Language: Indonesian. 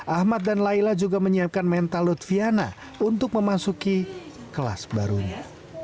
ahmad dan laila juga menyiapkan mental lutfiana untuk memasuki kelas barunya